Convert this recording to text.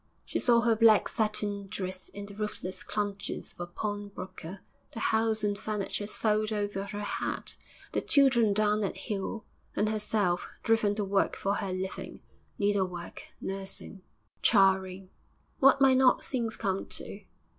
She saw her black satin dress in the ruthless clutches of a pawnbroker, the house and furniture sold over her head, the children down at heel, and herself driven to work for her living needlework, nursing, charing what might not things come to?